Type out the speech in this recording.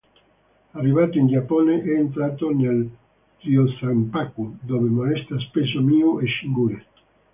Arrivato in Giappone è entrato nel Ryōzanpaku, dove molesta spesso Miu e Shigure.